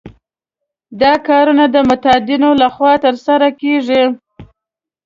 دا کارونه د متدینو له خوا ترسره کېږي.